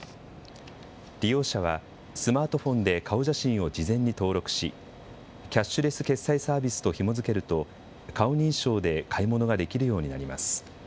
利用者は、スマートフォンで顔写真を事前に登録し、キャッシュレス決済サービスとひも付けると、顔認証で買い物ができるようになります。